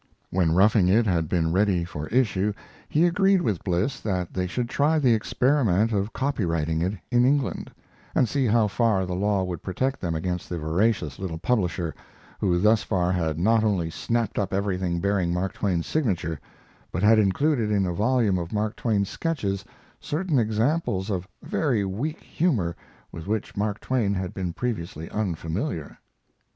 When 'Roughing It' had been ready for issue he agreed with Bliss that they should try the experiment of copyrighting it in England, and see how far the law would protect them against the voracious little publisher, who thus far had not only snapped up everything bearing Mark Twain's signature, but had included in a volume of Mark Twain sketches certain examples of very weak humor with which Mark Twain had been previously unfamiliar.